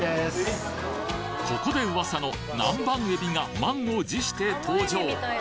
ここで噂の南蛮えびが満を持して登場！